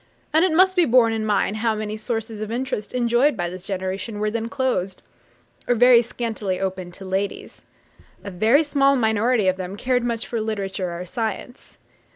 And it must be borne in mind how many sources of interest enjoyed by this generation were then closed, or very scantily opened to ladies. A very small minority of them cared much for literature or science.